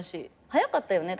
早かったよね？